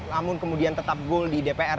namun kemudian tetap goal di dpr